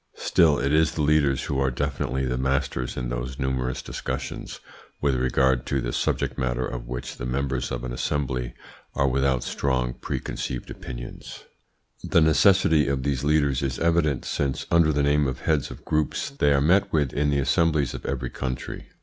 Still, it is the leaders who are definitely the masters in those numerous discussions, with regard to the subject matter of which the members of an assembly are without strong preconceived opinions. The necessity for these leaders is evident, since, under the name of heads of groups, they are met with in the assemblies of every country.